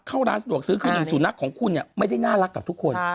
เข้าร้านสะดวกซื้อคือหนึ่งสุนัขของคุณเนี่ยไม่ได้น่ารักกับทุกคน